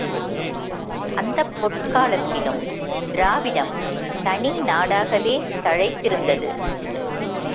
அந்தப் பொற்காலத்திலும் திராவிடம் தனி நாடாகவே தழைத்திருந்தது.